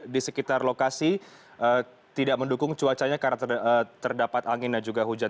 di sekitar lokasi tidak mendukung cuacanya karena terdapat angin dan juga hujan